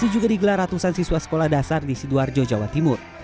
juga digelar ratusan siswa sekolah dasar di sidoarjo jawa timur